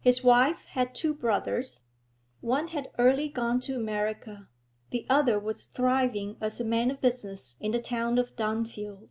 His wife had two brothers; one had early gone to America, the other was thriving as a man of business in the town of Dunfield.